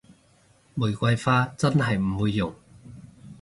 玫瑰花真係唔會用